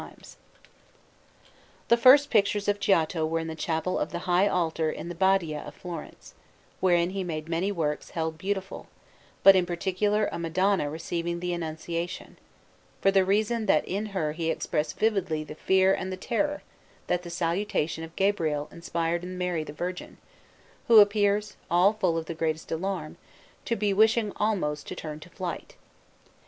Francesco_)] The first pictures of Giotto were in the chapel of the high altar in the Badia of Florence, wherein he made many works held beautiful, but in particular a Madonna receiving the Annunciation, for the reason that in her he expressed vividly the fear and the terror that the salutation of Gabriel inspired in Mary the Virgin, who appears, all full of the greatest alarm, to be wishing almost to turn to flight.